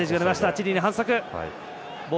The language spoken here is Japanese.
チリに反則。